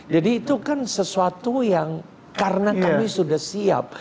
jadi itu kan sesuatu yang karena kami sudah siap